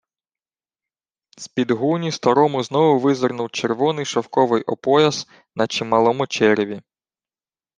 З-під гуні старому знову визирнув червоний шовковий опояс на чималому череві.